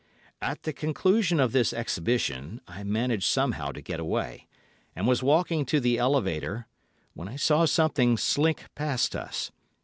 "At the conclusion of this exhibition I managed somehow to get away, and was walking to the elevator, when I saw something slink past us.